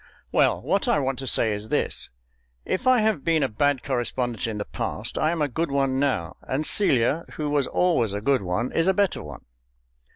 Well, what I want to say is this: if I have been a bad correspondent in the past I am a good one now; and Celia, who was always a good one, is a better one.